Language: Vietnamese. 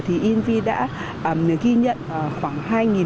thì invi đã ghi nhận khoảng hai bảy trăm linh